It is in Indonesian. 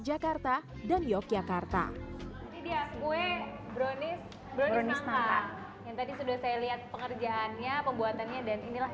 jakarta dan yogyakarta diavie brownies yang tadi saya lihat pekerjaannya pembuatannya dan inilah